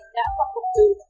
đã qua công đường